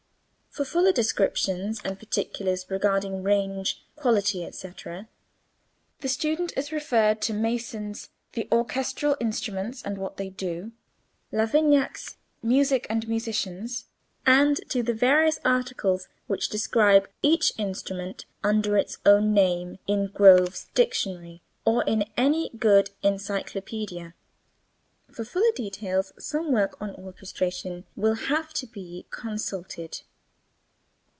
For fuller descriptions and particulars regarding range, quality, etc., the student is referred to Mason's "The Orchestral Instruments and What They Do," Lavignac's "Music and Musicians," and to the various articles which describe each instrument under its own name in Grove's Dictionary or in any good encyclopaedia. For still fuller details some work on orchestration will have to be consulted.